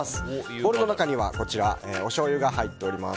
ボウルの中にはおしょうゆが入っております。